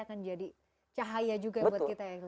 akan jadi cahaya juga buat kita ya